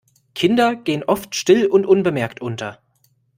Kinder gehen oft still und unbemerkt unter.